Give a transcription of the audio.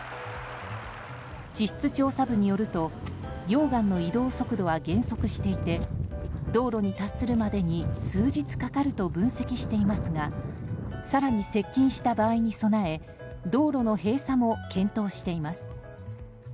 地質調査部によると溶岩の移動速度は減速していて道路に達するまでに数日かかると分析していますが更に接近した場合に備え道路の閉鎖も検討しています。